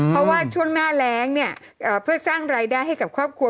เพราะว่าช่วงหน้าแรงเนี่ยเพื่อสร้างรายได้ให้กับครอบครัว